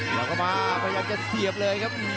แล้วก็มาพยายามจะเสียบเลยครับ